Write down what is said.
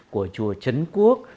của chùa trấn quốc